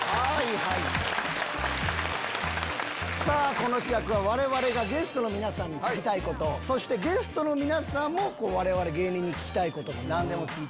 この企画はわれわれがゲストの皆さんに聞きたいことそしてゲストの皆さんもわれわれ芸人に聞きたいこと。